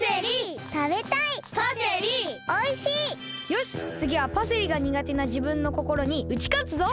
よしつぎはパセリがにがてなじぶんのこころにうちかつぞ！